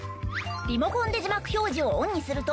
リモコンで字幕表示をオンにすると。